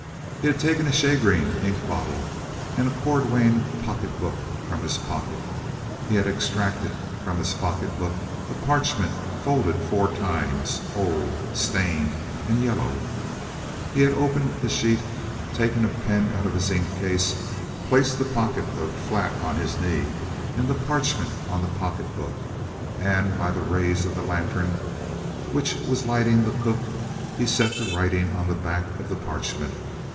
He had taken a shagreen ink bottle and a cordwain pocket book from his pocket; he had extracted from his pocket book a parchment folded four times, old, stained, and yellow; he had opened the sheet, taken a pen out of his ink case, placed the pocket book flat on his knee, and the parchment on the pocket book; and by the rays of the lantern, which was lighting the cook, he set to writing on the back of the parchment.